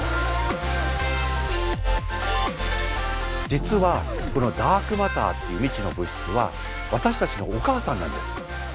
実はこのダークマターっていう未知の物質は私たちのお母さんなんです。